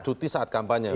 cuti saat kampanye